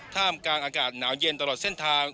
ท่ามกลางอากาศหนาวเย็นตลอดเส้นทาง